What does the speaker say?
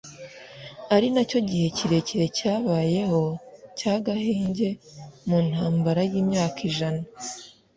ari nacyo gihe kirekire cyabayeho cy’agahenge mu ntambara y’imyaka ijana